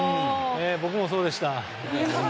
僕もそうでした。